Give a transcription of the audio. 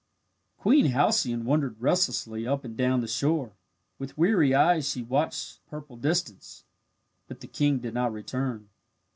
Queen Halcyone wandered restlessly up and down the shore. With weary eyes she watched the purple distance. But the king did not return.